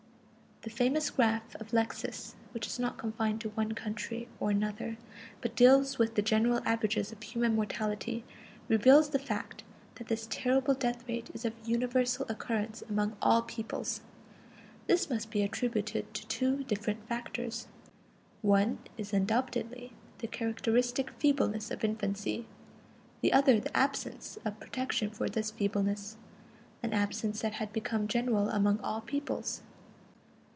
The famous graph of Lexis, which is not confined to one country or another, but deals with the general averages of human mortality, reveals the fact that this terrible death rate is of universal occurrence among all peoples. This must be attributed to two different factors. One is undoubtedly the characteristic feebleness of infancy; the other the absence of protection for this feebleness, an absence that had become general among all peoples.